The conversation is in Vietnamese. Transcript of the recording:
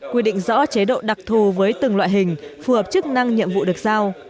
quy định rõ chế độ đặc thù với từng loại hình phù hợp chức năng nhiệm vụ được giao